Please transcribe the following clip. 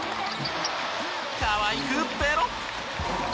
かわいくペロッ！